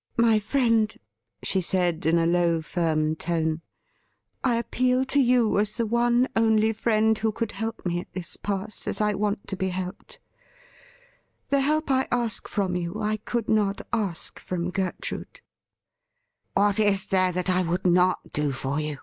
' My friend,' she said, in a low, firm tone, ' I appeal to you as the one only friend who could help me at this pass as I want to be helped. The help I ask from you I could not ask from Gertrude.' ' What is there that I would not do for you